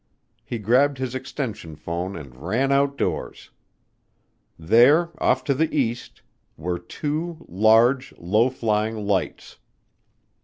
He grabbed his extension phone and ran outdoors. There, off to the east, were two, large, low flying lights.